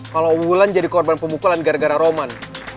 kalau unggulan jadi korban pemukulan gara gara roman